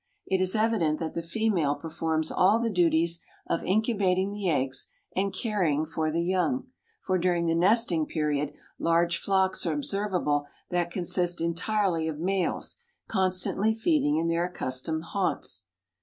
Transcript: It is evident that the female performs all the duties of incubating the eggs and carrying for the young, for during the nesting period large flocks are observable that consist entirely of males, constantly feeding in their accustomed haunts.